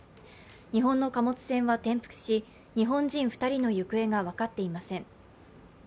日本の貨物船は転覆し、日本人２人の行方が分かっていません。